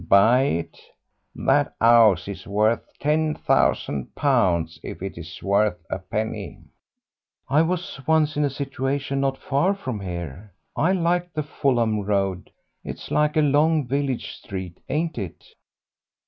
"Buy it! That 'ouse is worth ten thousand pounds if it's worth a penny." "I was once in a situation not far from here. I like the Fulham Road; it's like a long village street, ain't it?"